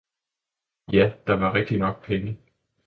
Jo der var rigtignok penge!